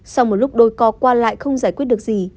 sau một lúc đôi co qua lại không giải quyết được gì